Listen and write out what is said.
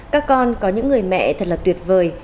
các con có những người mẹ thật là tuyệt vời